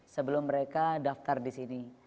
sebelum mereka daftar di sini